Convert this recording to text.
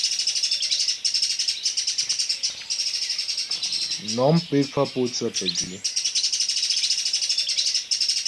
Nɔ̀m pé pfə́ pǒtsə pə́jwǐ.